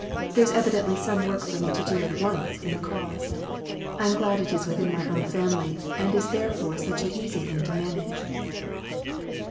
There is evidently some work for me to do at once in the cause. I am glad it is within my own family, and is therefore such an easy thing to manage."